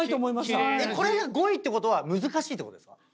これが５位ってことは難しいってことですか？